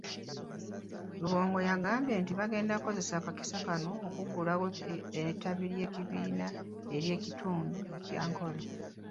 Rubongoya agambye nti bagenda kukozesa akakisa kano okuggulawo ettabi ly'ekibiina ery'ekitundu ky'Ankole.